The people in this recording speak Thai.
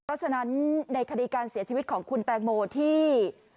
เพราะฉะนั้นในคดีการเสียชีวิตของคุณแตงโมที่